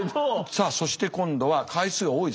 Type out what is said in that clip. さあそして今度は回数が多いですね